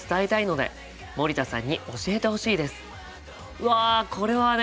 うわこれはね